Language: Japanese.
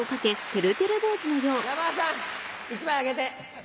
山田さん１枚あげて。